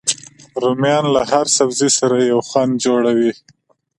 رومیان له هر سبزي سره یو خوند جوړوي